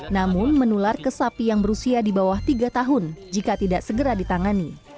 namun menular ke sapi yang berusia di bawah tiga tahun jika tidak segera ditangani